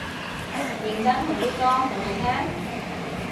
認真佢啲歌好好聽？